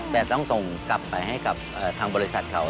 แต่ต้องส่งกลับไปให้กับทางบริษัทเขา